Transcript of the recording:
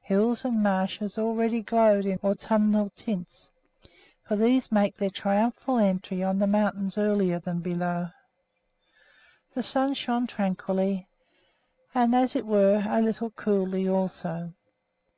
Hills and marshes already glowed in autumnal tints, for these make their triumphal entry on the mountains earlier than below. The sun shone tranquilly and, as it were, a little coolly also.